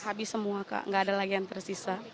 habis semua kak gak ada lagi yang tersisa